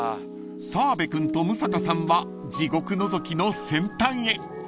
［澤部君と六平さんは地獄のぞきの先端へ］